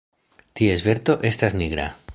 Ties verto estas nigra.